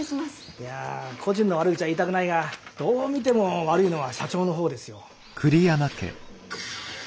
いや故人の悪口は言いたくないがどう見ても悪いのは社長の方ですよ。